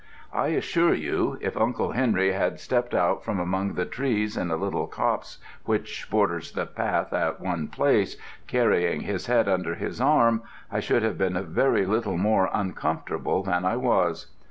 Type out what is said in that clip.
I assure you, if Uncle Henry had stepped out from among the trees in a little copse which borders the path at one place, carrying his head under his arm, I should have been very little more uncomfortable than I was.